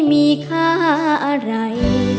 เธอไม่เคยโรศึกอะไร